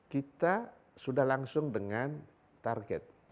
kita sudah langsung dengan target